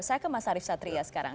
saya ke mas arief satria sekarang